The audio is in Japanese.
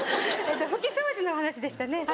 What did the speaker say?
拭き掃除のお話でしたね。